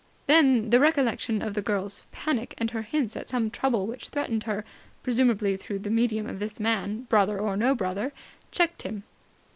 Then the recollection of the girl's panic and her hints at some trouble which threatened her presumably through the medium of this man, brother or no brother checked him.